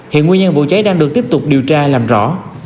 hiện nguyên nhân vụ cháy đang được tiếp tục điều tra làm rõ